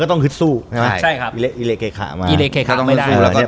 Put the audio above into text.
อเจมส์อิเลเกะขะไม่ได้